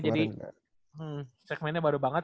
jadi segmennya baru banget